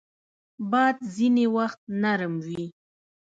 باد ځینې وخت نرم وي